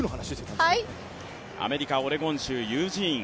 アメリカオレゴン州ユージーン。